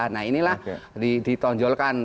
nah inilah ditonjolkan